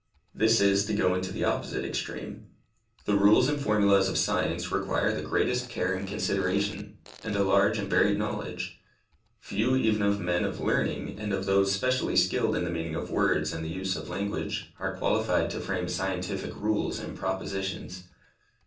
This is to go into the opposite extreme. The rules and formulas of science require the greatest care and consideration, and a large and varied knowledge. Few even of men of learning and of those specially skilled in the meaning of words and the use of language, are qualified to frame scientific rules and propositions.